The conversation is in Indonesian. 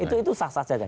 kita sah sah saja